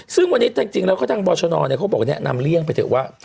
ซึ่งวันนี้จริงแล้วก็ทางบอชนเขาบอกว่าแนะนำเลี่ยงไปเถอะว่า